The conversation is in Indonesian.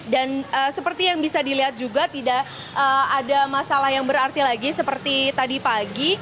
dan seperti yang bisa dilihat juga tidak ada masalah yang berarti lagi seperti tadi pagi